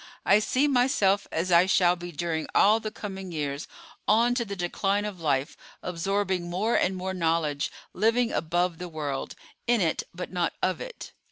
I see myself as I shall be during all the coming years on to the decline of life, absorbing more and more knowledge, living above the world; in it, but not of it."